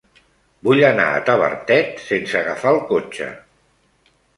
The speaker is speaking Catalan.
Vull anar a Tavertet sense agafar el cotxe.